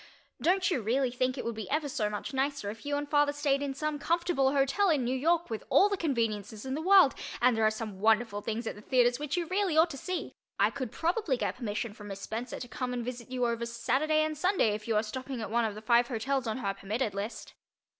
Don't you really think it would be ever so much nicer if you and father stayed in some comfortable hotel in New York with all the conveniences in the world and there are some wonderful things at the theaters which you really ought to see. I could probably get permission from Miss Spencer to come and visit you over Saturday and Sunday if you are stopping at one of the five hotels on her "permitted" list.